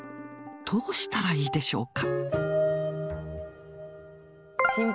どうしたらいいでしょうか。